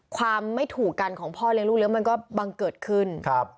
ความไม่ถูกกันของพ่อเลี้ยลูกเลี้ยมันก็บังเกิดขึ้น